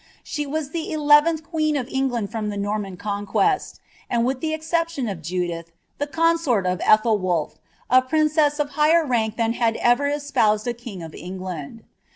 Sh^ wai ihi eleventh queen of England from Ihe Nomian Conquest, and with ibf exception of Judith, the consort of Ethelwolph, a prinr ess of higbtr rank ihan had ever espoused a king of England.